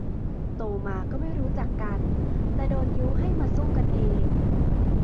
โตมาก็ไม่รู้จักกัน แต่โดนยุให้มาสู้กันเอง